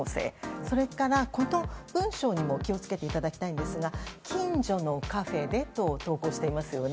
それから、この文章にも気を付けていただきたいんですが「近所のカフェで」と投稿していますよね。